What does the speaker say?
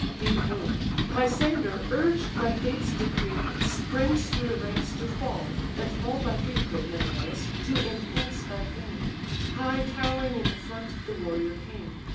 Behold! Pisander, urged by fate's decree, Springs through the ranks to fall, and fall by thee, Great Menelaus! to enchance thy fame: High towering in the front, the warrior came.